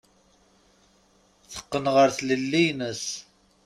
Teqqen ɣer tlelli-ines.